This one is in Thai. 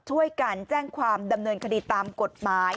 ช่วยกันแจ้งความดำเนินคดีตามกฎหมาย